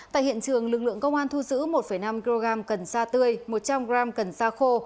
tại hiện trường lực lượng công an thu giữ một năm kg cần sa tươi một trăm linh g cần sa khô